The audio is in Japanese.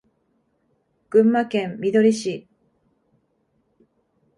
群馬県みどり市